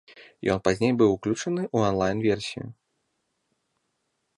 Ён пазней быў уключаны ў онлайн-версію.